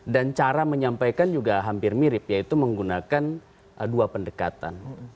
dan cara menyampaikan juga hampir mirip yaitu menggunakan dua pendekatan